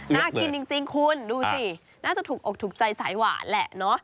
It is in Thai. น่ากินจริงคุณดูสิน่าจะถูกอกถูกใจสายหวานแหละเนอะ